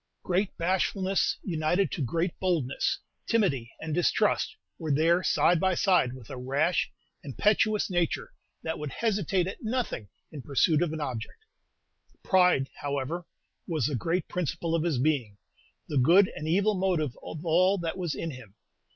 Great bashfulness, united to great boldness, timidity, and distrust, were there side by side with a rash, impetuous nature that would hesitate at nothing in pursuit of an object. Pride, however, was the great principle of his being, the good and evil motive of all that was in him.